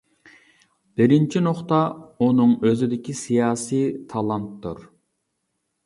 بىرىنچى نۇقتا ئۇنىڭ ئۆزىدىكى سىياسىي تالانتتۇر.